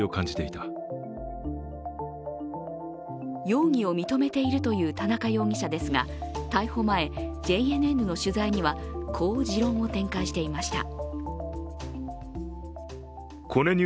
容疑を認めているという田中容疑者ですが逮捕前、ＪＮＮの取材には、こう持論を展開していました。